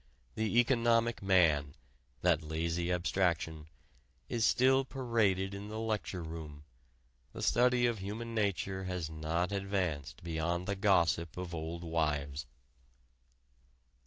The Economic Man that lazy abstraction is still paraded in the lecture room; the study of human nature has not advanced beyond the gossip of old wives.